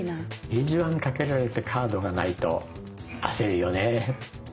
ページワンかけられてカードがないと焦るよね。